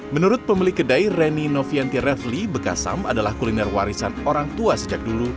menurut pemilik kedai reni novianti refli bekasam adalah kuliner warisan orang tua sejak dulu